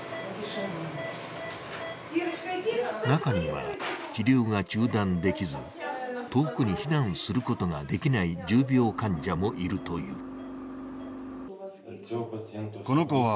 中には、治療が中断できず、遠くに避難することができない重病患者もいるという。